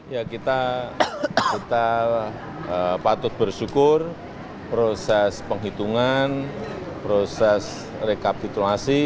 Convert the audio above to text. ya kita patut bersyukur proses penghitungan proses rekapitulasi